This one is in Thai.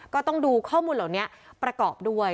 ก็ต้องดูข้อมูลเหล่านี้ประกอบด้วย